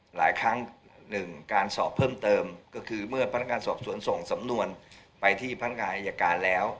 หลายครั้งหนึ่งการสอบเพิ่มเติมก็คือเมื่อพนักงานสอบสวนส่งสำนวนไปที่พนักงานอายการแล้ว